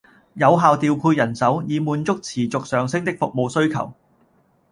有效調配人手，以滿足持續上升的服務需求